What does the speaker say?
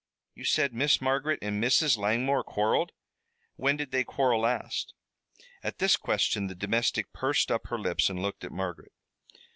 You say Miss Margaret and Mrs. Langmore quarreled. When did they quarrel last?" At this question the domestic pursed up her lips and looked at Margaret.